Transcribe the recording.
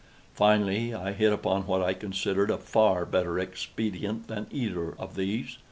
Finally I hit upon what I considered a far better expedient than either of these.